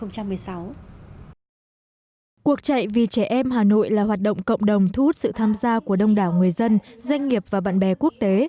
cuộc chạy vì trẻ em hà nội là hoạt động cộng đồng thu hút sự tham gia của đông đảo người dân doanh nghiệp và bạn bè quốc tế